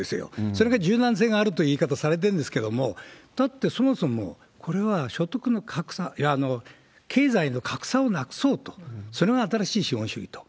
それが柔軟性があるという言い方をされてるんですけれども、だって、そもそもこれは所得の格差、経済の格差をなくそうと、それが新しい資本主義と。